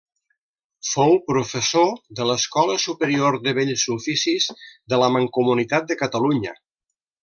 Fou professor de l'Escola Superior de Bells Oficis de la Mancomunitat de Catalunya.